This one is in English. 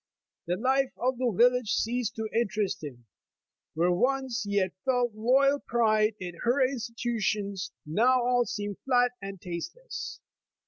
The life of the village ceased to interest him. Where once he had felt loyal pride in her institutions, now al^. seemed flat and tasteless.